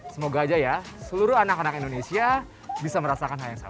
semoga aja ya seluruh anak anak indonesia bisa merasakan hal yang sama